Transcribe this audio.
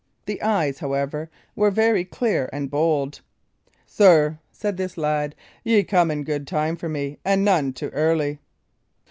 The eyes, however, were very clear and bold. "Sir," said this lad, "ye came in good time for me, and none too early."